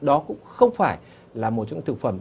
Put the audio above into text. đó cũng không phải là một trong những thực phẩm